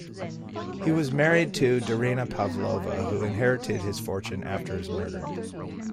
He was married to Darina Pavlova, who inherited his fortune after his murder.